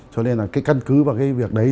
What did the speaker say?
cho nên là cái căn cứ và cái việc đấy